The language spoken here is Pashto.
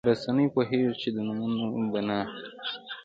رسنۍ پوهېږي چې د نومونه به نه اخلي.